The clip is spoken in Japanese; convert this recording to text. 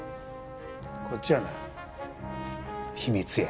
こっちはな秘密や。